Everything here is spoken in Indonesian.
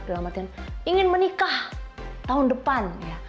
dalam artian ingin menikah tahun depan